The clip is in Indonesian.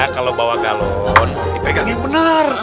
kalau bawa galon dipegang yang benar